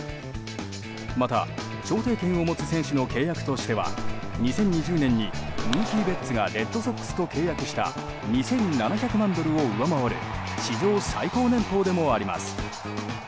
また、調停権を持つ選手の契約としては２０２０年にムーキー・ベッツがレッドソックスと契約した２７００万ドルを上回る史上最高年俸でもあります。